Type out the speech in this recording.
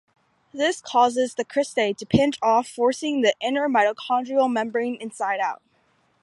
This causes the cristae to pinch off forcing the inner mitochondrial membrane inside out.